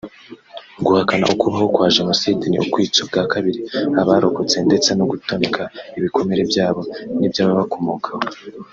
Guhakana ukubaho kwa Jenoside ni ukwica bwa kabiri abarokotse ndetse no gutoneka ibikomere byabo n’iby’abakomokaho